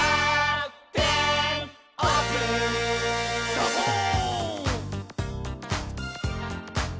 「サボーン！」